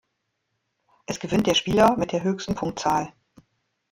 Es gewinnt der Spieler mit der höchsten Punktzahl.